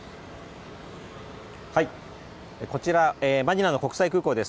こちら、マニラの国際空港です。